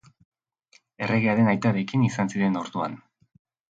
Erregearen aitarekin izan ziren orduan.